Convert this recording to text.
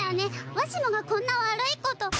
わしもがこんな悪いこと。